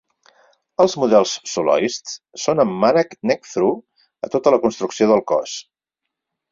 Els models Soloist són amb mànec neck-through a tota la construcció del cos.